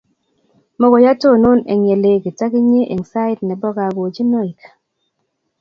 mokoi atonon eng ye lekit akinye eng sait ne bo kagojinoi.